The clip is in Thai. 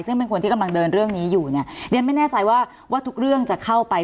ซึ่งเป็นคนที่กำลังเดินเรื่องนี้อยู่เนี่ยเรียนไม่แน่ใจว่าว่าทุกเรื่องจะเข้าไป